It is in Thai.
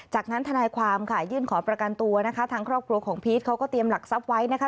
จากนั้นทนายความค่ะยื่นขอประกันตัวนะคะทางครอบครัวของพีชเขาก็เตรียมหลักทรัพย์ไว้นะคะ